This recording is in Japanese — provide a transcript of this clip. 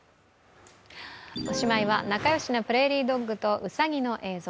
おしまいは仲良しなプレーリードッグとうさぎの映像。